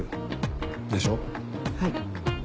はい。